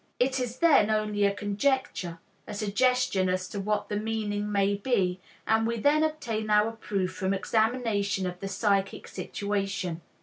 It is then only a conjecture, a suggestion as to what the meaning may be, and we then obtain our proof from examination of the psychic situation.